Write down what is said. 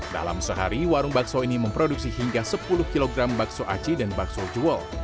dalam sehari warung bakso ini memproduksi hingga sepuluh kg bakso aci dan bakso jewol